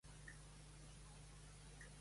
Per què els déus es van enfadar amb ell?